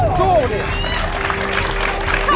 สู้ดิ